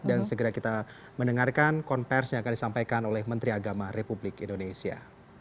dan segera kita mendengarkan konferensi yang akan disampaikan oleh menteri agama republik indonesia